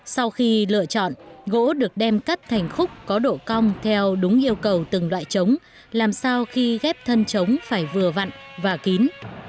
sau khi lựa chọn gỗ được đem cắt thành khúc có độ cong theo đúng yêu cầu từng loại trống làm sao khi ghép thân trống phải vừa vặn và kín